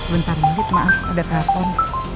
bentar lid maaf ada telepon